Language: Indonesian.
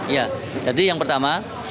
ya jadi yang pertama